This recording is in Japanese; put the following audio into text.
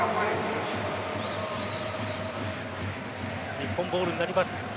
日本ボールになります。